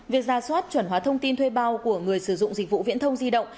việc ra soát chuẩn hóa thông tin thuê bao của người sử dụng dịch vụ viễn thông di động